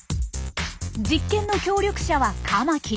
実験の協力者はカマキリ。